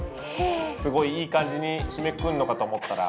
すごいいい感じに締めくくんのかと思ったら。